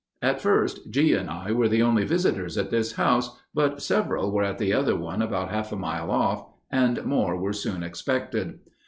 At first G—— and I were the only visitors at this house, but several were at the other one about half a mile off, and more were soon expected.